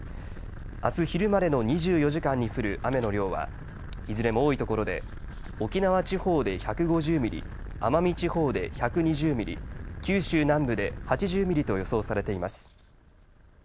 あす昼までの２４時間に降る雨の量はいずれも多いところで沖縄地方で１５０ミリ、奄美地方で１２０ミリ、九州南部で８０ミリと予想されています。